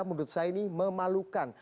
menurut saya ini memalukan